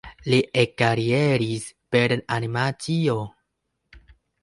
Li ekkarieris per animacio.